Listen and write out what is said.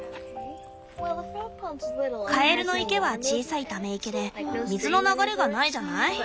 カエルの池は小さいため池で水の流れがないじゃない？